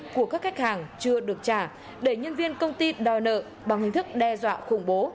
của các khách hàng chưa được trả để nhân viên công ty đòi nợ bằng hình thức đe dọa khủng bố